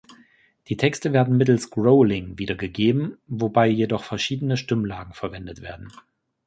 Die Texte werden mittels Growling wiedergegeben, wobei jedoch verschiedene Stimmlagen verwendet werden.